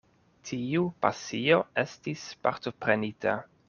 Tiu pasio estis partoprenita.